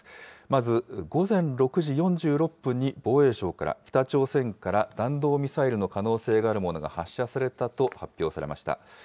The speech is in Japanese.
まず、午前６時４６分に防衛省から、北朝鮮から弾道ミサイルの可能性があるものが発射されたと発表されました。